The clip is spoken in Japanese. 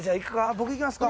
僕行きますか。